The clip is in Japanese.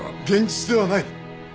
現実ではない！